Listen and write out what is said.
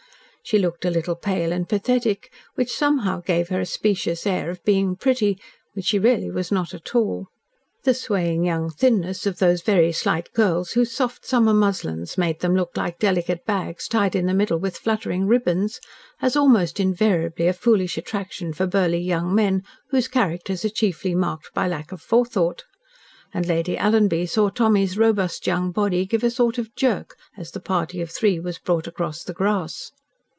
She looked a little pale and pathetic, which somehow gave her a specious air of being pretty, which she really was not at all. The swaying young thinness of those very slight girls whose soft summer muslins make them look like delicate bags tied in the middle with fluttering ribbons, has almost invariably a foolish attraction for burly young men whose characters are chiefly marked by lack of forethought, and Lady Alanby saw Tommy's robust young body give a sort of jerk as the party of three was brought across the grass.